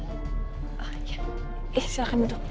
oh iya silahkan duduk